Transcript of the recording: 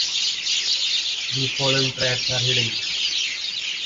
The following tracks are hidden.